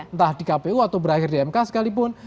entah di kpu atau berakhir di mk sekalipun